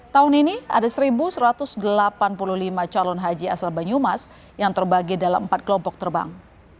tahun ini ada satu satu ratus delapan puluh lima calon haji asal banyumas yang terbagi dalam empat kelompok terbang